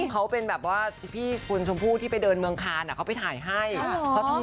แต่ว่าที่พี่คุณชมภูที่ไปเดินเมืองคาน